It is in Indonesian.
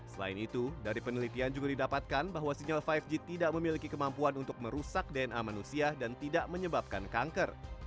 selain itu dari penelitian juga didapatkan bahwa sinyal lima g tidak memiliki kemampuan untuk merusak dna manusia dan tidak menyebabkan kanker